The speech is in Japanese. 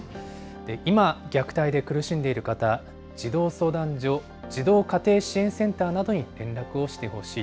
今、虐待で苦しんでいる方、児童相談所、児童家庭支援センターなどに連絡をしてほしい。